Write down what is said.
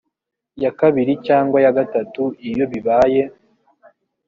ya kabiri cyangwa ya gatatu iyo bibaye